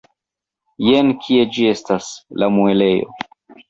Jen kie ĝi estas, la muelejo!